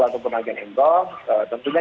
ataupun agen indong tentunya